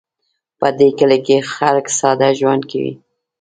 په دې کلي کې خلک ساده ژوند کوي